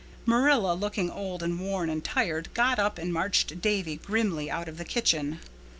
Marilla, looking old and worn and tired, got up and marched Davy grimly out of the kitchen.